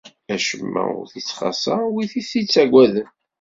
Acemma ur ittxaṣṣa wid i t-ittaggaden.